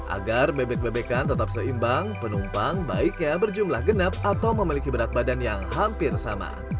agar bebek bebekan tetap seimbang penumpang baiknya berjumlah genap atau memiliki berat badan yang hampir sama